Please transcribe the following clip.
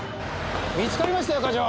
見つかりましたよ課長。